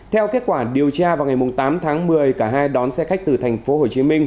theo kết quả điều tra vào ngày tám tháng một mươi cả hai đón xe khách từ tp hcm